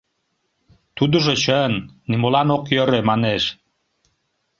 — Тудыжо чын, нимолан ок йӧрӧ, манеш.